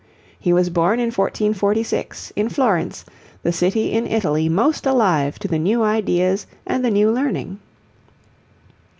He was born in 1446, in Florence, the city in Italy most alive to the new ideas and the new learning.